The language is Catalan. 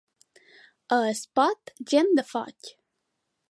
A Espot, gent de foc.